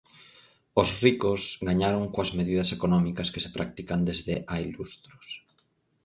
Os ricos gañaron coas medidas económicas que se practican desde hai lustros.